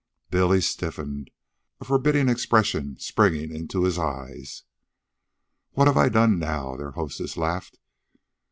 Billy stiffened, a forbidding expression springing into his eyes. "What have I done now?" their hostess laughed.